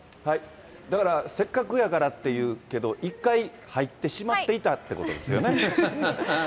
だから、せっかくやからって言うけど、１回入ってしまっていたということですよね。